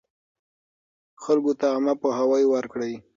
خلکو ته عامه پوهاوی ورکړئ.